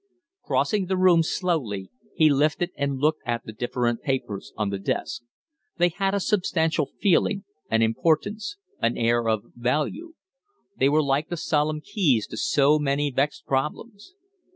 Crossing the room slowly, he lifted and looked at the different papers on the desk. They had a substantial feeling, an importance, an air of value. They were like the solemn keys to so many vexed problems.